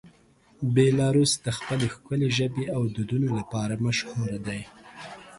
بیلاروس د خپل ښکلې ژبې او دودونو لپاره مشهوره دی.